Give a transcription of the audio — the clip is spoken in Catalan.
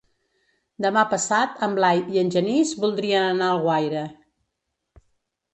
Demà passat en Blai i en Genís voldrien anar a Alguaire.